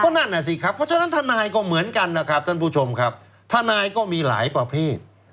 นั่นน่ะสิครับเพราะฉะนั้นทนายก็เหมือนกันนะครับท่านผู้ชมครับทนายก็มีหลายประเภท